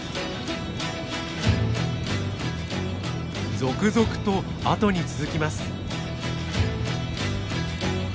続々とあとに続きます。